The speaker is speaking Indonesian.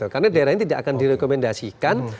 karena daerah ini tidak akan direkomendasikan